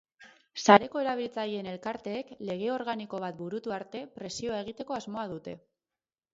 Sareko erabiltzaileen elkateek lege organiko bat burutu arte presioa egiteko asmoa dute.